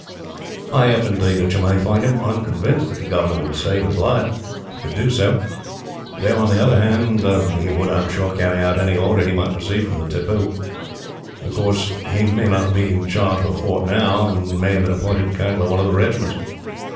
"I hope, indeed, that you may find him. I am convinced that the governor would save his life, if he could do so; though, on the other hand, he would, I am sure, carry out any order he might receive from Tippoo. Of course, he may not be in charge of a fort now, and may have been appointed colonel of one of the regiments.